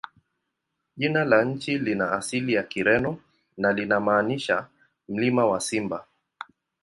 Jina la nchi lina asili ya Kireno na linamaanisha "Mlima wa Simba".